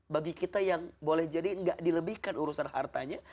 bagi kita yang boleh jadi nggak dilebihkan urusan hartanya